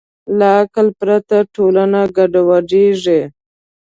له عقل پرته ټولنه ګډوډېږي.